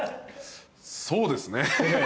そうですね。